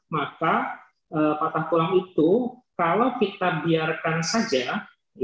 patah tulang itu kalau kita biarkan saja kita buat diam